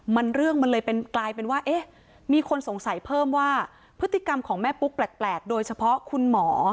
มันเรื่องมันเลยเป็นกลายเป็นว่าเอ๊ะมีคนสงสัยเพิ่มว่าพฤติกรรมของแม่ปุ๊กแปลกโดยเฉพาะคุณหมอ